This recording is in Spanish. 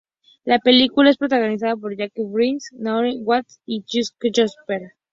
La película es protagonizada por Jake Gyllenhaal, Naomi Watts y Chris Cooper.